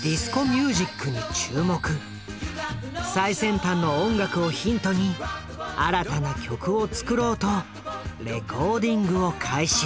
最先端の音楽をヒントに新たな曲を作ろうとレコーディングを開始。